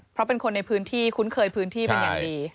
เพราะเป็นคนในพื้นที่คุ้นเคยพื้นที่เป็นอย่างดี